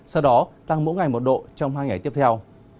sau đó tăng mỗi ngày một độ trong hai ngày tiếp theo